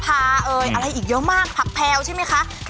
อะไรอีกเยอะมากผักแพลวใช่มั้ยคะ